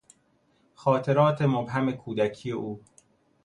خاطرات مبهم کودکی او